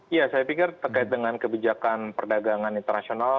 ya saya pikir terkait dengan kebijakan perdagangan internasional